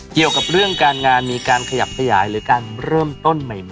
เกี่ยวกับเรื่องการงานมีการขยับขยายหรือการเริ่มต้นใหม่